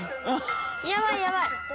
やばいやばい！